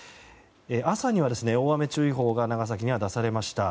朝には、大雨注意報が長崎には出されました。